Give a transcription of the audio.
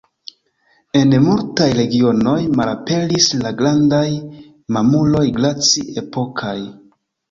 En multaj regionoj malaperis la grandaj mamuloj glaci-epokaj.